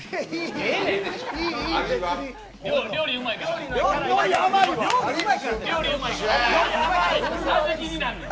ええねん。